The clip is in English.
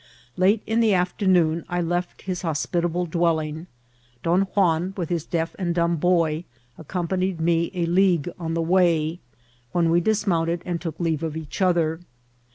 Late in the afternoon I left his hospitable dwelling. Don Juan, with his deaf and dumb boy, accompanied me a league on the way, when we dismounted and took leave of each other.